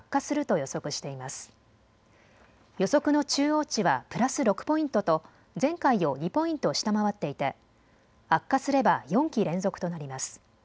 予測の中央値はプラス６ポイントと前回を２ポイント下回っていて悪化すれば４期連続となります。